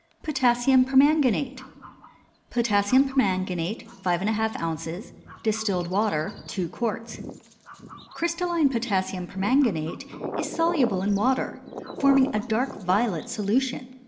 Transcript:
POTASSIUM PERMANGANATE. Potassium permanganate 5½ oz. Distilled water 2 qts. Crystalline potassium permanganate is soluble in water, forming a dark violet solution.